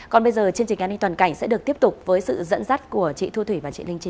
còn bây giờ chương trình an ninh toàn cảnh sẽ được tiếp tục với sự dẫn dắt của chị thu thủy và chị linh chín